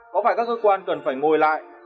có phải các cơ quan cần phải ngồi lại